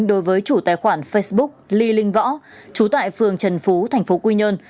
đối với chủ tài khoản facebook ly linh võ trú tại phường trần phú thành phố quy nhơn